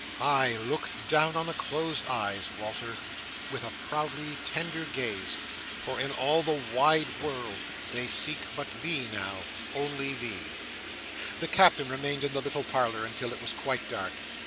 Ay, look down on the closed eyes, Walter, with a proudly tender gaze; for in all the wide wide world they seek but thee now—only thee! The Captain remained in the little parlour until it was quite dark.